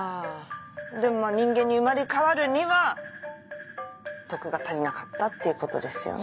でも人間に生まれ変わるには徳が足りなかったっていうことですよね？